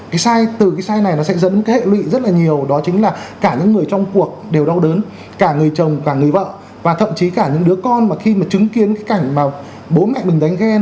cái sai từ cái sai này nó sẽ dẫn cái hệ lụy rất là nhiều đó chính là cả những người trong cuộc đều đau đớn cả người chồng cả người vợ và thậm chí cả những đứa con mà khi mà chứng kiến cái cảnh mà bố mẹ mình đánh ghen